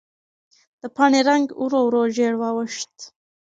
د پاڼې رنګ ورو ورو ژېړ واوښت.